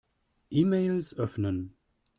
E-Mails öffnen.